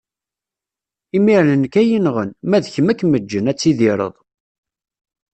Imiren nekk ad yi-nɣen, ma d kemm ad kem-ǧǧen, ad tidireḍ.